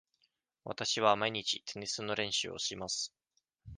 わたしは毎日テニスの練習をします。